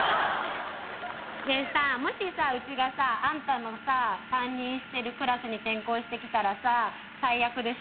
でさもしうちがあんたの担任してるクラスに転校してきたら最悪でしょ。